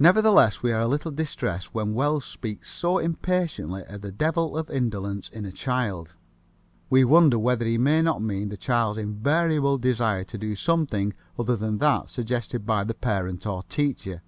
Nevertheless, we are a little distressed when Wells speaks so impatiently of the devil of indolence in a child. We wonder whether he may not mean the child's invariable desire to do something other than that suggested by parent or teacher.